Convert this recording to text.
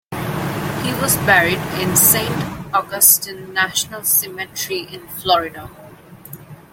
He was buried in Saint Augustine National Cemetery in Florida.